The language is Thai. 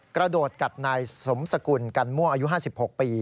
กระโดดกัดนายสมสกุลกันม่วงอายุ๕๖ปี